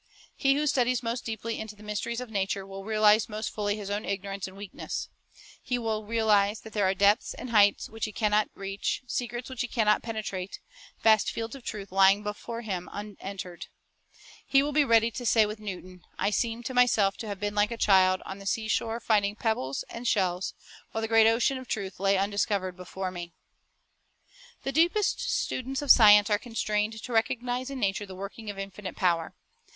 He who studies most deeply into the mysteries of nature will realize most fully his own ignorance and weakness. He will realize that there are depths and heights which he can not reach, secrets which he can not penetrate, vast fields of truth lying before him unentered. He will be ready to say, with Newton, "I seem to myself to have been like a child on the sea shore finding pebbles and shells, while the great ocean of truth lay undiscovered before me." >Ps. 139:2 6, R. V. 'A Father tititn You ' Mysteries in Nature 134 The Bible as an Educator The deepest students of science are constrained to recognize in nature the working of infinite power.